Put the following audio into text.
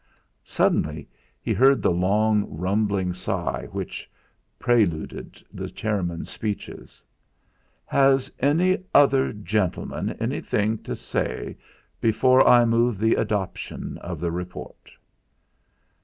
Suddenly he heard the long, rumbling sigh which preluded the chairman's speeches. "Has any other gentleman anything to say before I move the adoption of the report?"